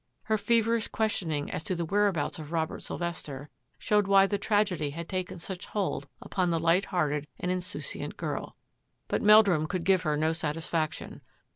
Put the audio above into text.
Her feverish questioning as to the whereabouts of Robert Sylvester showed why the tragedy had taken such hold upon the light hearted and insouciant girl. But Meldrum could give her no satisfaction.